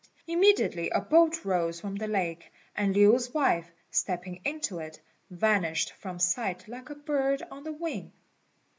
Immediately a boat rose from the lake, and Lin's wife, stepping into it, vanished from sight like a bird on the wing.